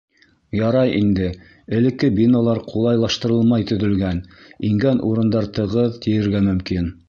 Ярай инде, элекке биналар ҡулайлаштырылмай төҙөлгән, ингән урындар тығыҙ тиергә мөмкин.